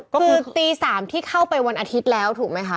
ก็คือตี๓ที่เข้าไปวันอาทิตย์แล้วถูกไหมคะ